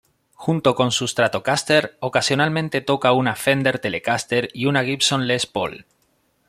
Junto con su Stratocaster, ocasionalmente toca una Fender Telecaster y una Gibson Les Paul.